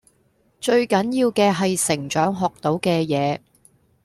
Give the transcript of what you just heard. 最緊要嘅係成長學到嘅嘢⠀